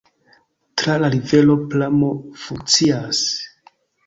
Tra la rivero pramo funkcias.